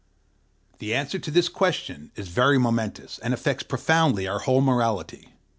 The answer to this question is very momentous, and affects profoundly our whole morality.